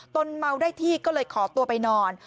นเมาได้ที่ก็เลยขอตัวไปนอน